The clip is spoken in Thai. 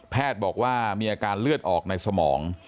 บอกว่ามีอาการเลือดออกในสมอง